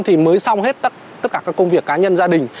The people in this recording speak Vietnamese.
thì mới xong hết tất cả các công việc cá nhân gia đình